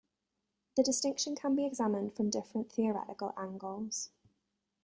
The distinction can be examined from different theoretical angles.